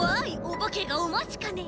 おばけがおまちかね。